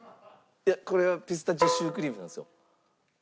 いやこれはピスタチオシュークリームなんですよ。